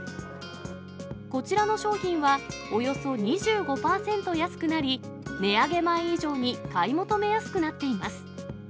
こちらの商品は、およそ２５％安くなり、値上げ前以上に買い求めやすくなっています。